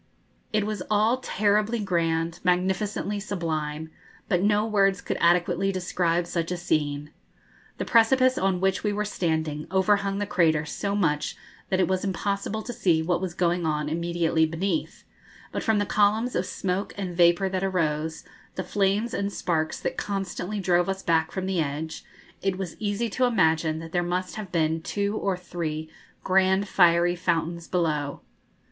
It was all terribly grand, magnificently sublime; but no words could adequately describe such a scene. The precipice on which we were standing overhung the crater so much that it was impossible to see what was going on immediately beneath; but from the columns of smoke and vapour that arose, the flames and sparks that constantly drove us back from the edge, it was easy to imagine that there must have been two or three grand fiery fountains below.